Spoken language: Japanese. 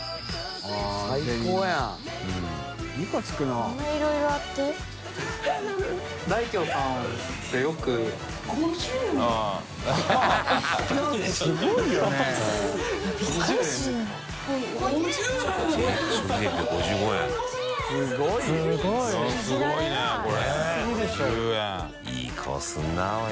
飯尾）いい顔するなおい。